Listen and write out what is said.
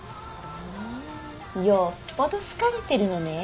ふんよっぽど好かれてるのねえ。